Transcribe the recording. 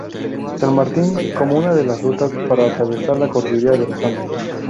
San Martín como una de las rutas para atravesar la cordillera de los Andes.